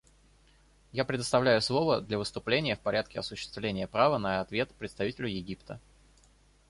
Я предоставляю слово для выступления в порядке осуществления права на ответ представителю Египта.